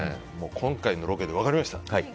今回のロケで分かりました。